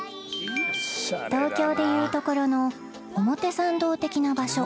東京でいうところの表参道的な場所